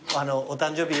お誕生日。